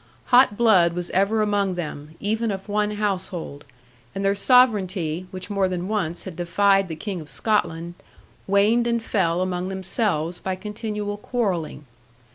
Hot blood was ever among them, even of one household; and their sovereignty (which more than once had defied the King of Scotland) waned and fell among themselves, by continual quarrelling.